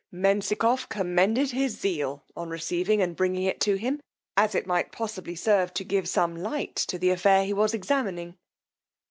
Menzikoff commended his zeal in receiving and bringing it to him, as it might possibly serve to give some light to the affair he was examining.